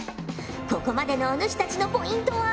ここまでのおぬしたちのポイントは。